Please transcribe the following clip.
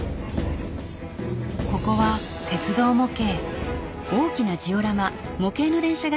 ここは鉄道模型。